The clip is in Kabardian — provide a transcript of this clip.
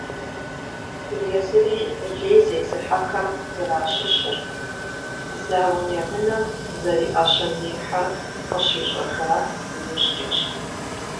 Езыри лей зезыхьэхэм зэращыщыр, зауэ емынэм зэриӀэщэзехьэр къыщищӀэжар иужькӏэщ.